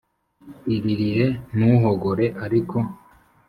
Iririre, ntuhogore ariko !